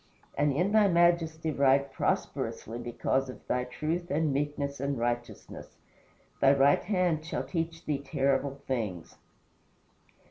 And in thy majesty ride prosperously because of thy truth and meekness and righteousness. Thy right hand shall teach thee terrible things.